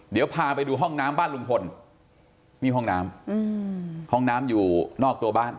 เดี๋ยวพาไปดูห้องน้ำบ้านลุงพลนี่ห้องน้ำห้องน้ำอยู่นอกตัวบ้าน